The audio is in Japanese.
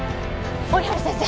折原先生！